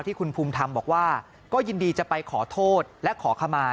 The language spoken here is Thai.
ที่คุณภูมิธรรมบอกว่าก็ยินดีจะไปขอโทษและขอขมา